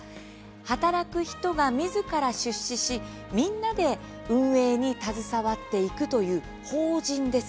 働く人がみずから出資しみんなで運営に携わっていくという法人なんです。